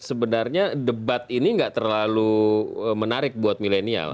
sebenarnya debat ini nggak terlalu menarik buat milenial